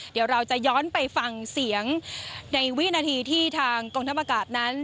เดี๋ยวเราจะย้อนไปฟังเสียงในวินาทีที่ทางกองทัพอากาศนั้น